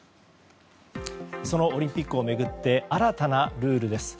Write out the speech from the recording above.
そのオリンピックを巡って新たなルールです。